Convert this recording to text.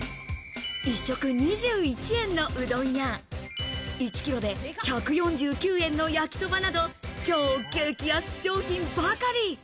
１食２１円のうどんや、１キロで１４９円の焼きそばなど、超激安商品ばかり。